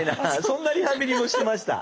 そんなリハビリもしてました。